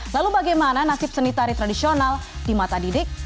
lalu bagaimana nasib seni tari tradisional di mata didik